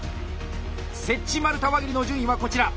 「接地丸太輪切り」の順位はこちら。